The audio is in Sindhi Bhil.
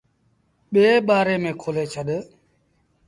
ٻي ٻآري ميݩ کولي ڇڏ۔